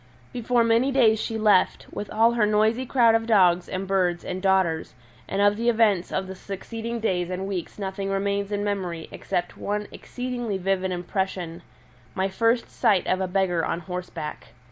Before many days she left, with all her noisy crowd of dogs and birds and daughters, and of the events of the succeeding days and weeks nothing remains in memory except one exceedingly vivid impression my first sight of a beggar on horseback.